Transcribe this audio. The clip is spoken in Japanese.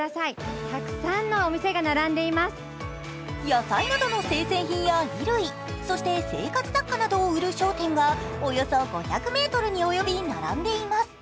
野菜などの生鮮品や衣類そして生活雑貨などを売る商店がおよそ５００ｍに及び、並んでいます。